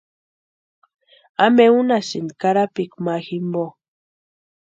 ¿Ampe únhasïnki karapikwa ma jimpo?